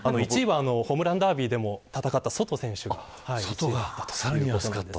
１位はホームランダービーでも戦ったソト選手です。